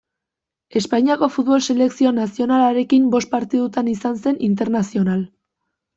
Espainiako futbol selekzio nazionalarekin bost partidutan izan zen internazional.